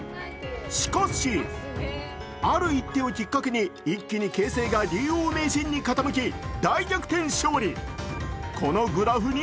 しかし、ある一手をきっかけに一気に形勢が竜王名人に傾き大逆転勝利。